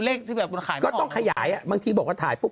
เลขที่แบบปูนาขายก็ต้องขยายอ่ะบทที่บอกว่าถ่ายพบ